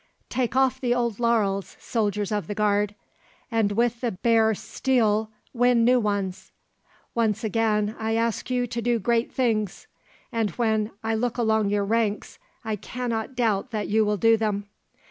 Take off the old laurels, soldiers of the Guard, and with the bare steel win new ones. Once again I ask you to do great things, and when I look along your ranks, I cannot doubt that you will do them.